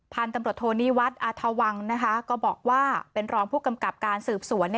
ผ่านตำรวจโทนี่วัฒน์อธวังก็เป็นรองค์พวกกำกับการสืบสวน